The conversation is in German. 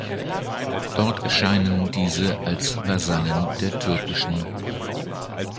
Dort erscheinen diese als Vasallen der Türk.